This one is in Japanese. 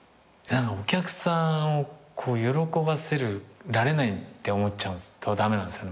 お客さんを喜ばせられないって思っちゃうと駄目なんですよ